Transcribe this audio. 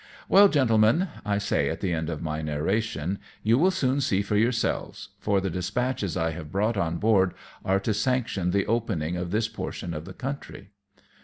" Well, gentlemen,''' I say at the end of my narration, "you will soon see for yourselves ; for the despatches I have brought on board are to sanction the opening of this portion of the country."